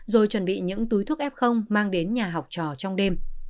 rồi chuẩn bị những túi thuốc f mang đến nhà học trò trong đêm